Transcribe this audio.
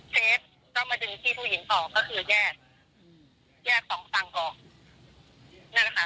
เสียงหน้าแล้วพูดถูกออกก็คือแยกแยก๒ฟังกว่านั่นค่ะ